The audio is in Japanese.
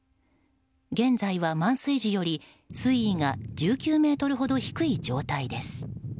現在は満水時より水位が１９ｍほど低い状態です。